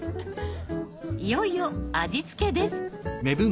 いよいよ味付けです。